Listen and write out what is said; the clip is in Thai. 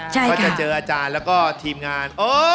ใช่ค่ะก็จะเจออาจารย์และก็ทีมงาน